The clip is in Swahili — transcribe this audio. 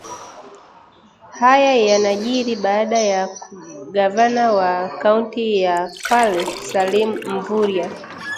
Haya yanajiri baada ya gavana wa kaunti ya kwale Salim Mvurya